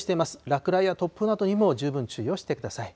落雷や突風などにも十分注意をしてください。